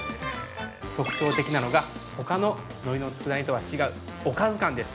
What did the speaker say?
◆特徴的なのが、ほかののりの佃煮とは違うおかず感です。